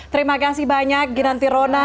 terima kasih banyak ginanti rona